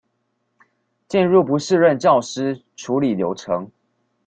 進入不適任教師處理流程